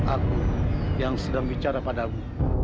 aku yang sedang bicara padaku